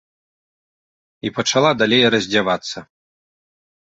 І пачала далей раздзявацца.